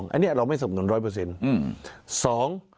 อันนี้เราไม่สนุน๑๐๐